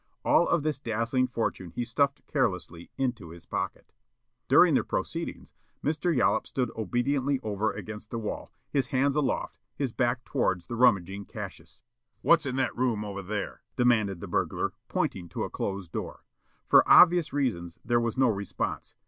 All of this dazzling fortune he stuffed carelessly into his pocket. During the proceedings, Mr. Yollop stood obediently over against the wall, his hands aloft, his back towards the rummaging Cassius. "What's in that room over there?" demanded the burglar, pointing to a closed door. For obvious reasons there was no response.